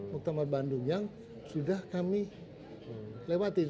muktamar bandung yang sudah kami lewatin